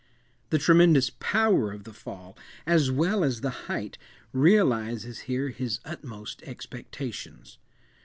The tremendous power of the Fall, as well as the height, realizes here his utmost expectations.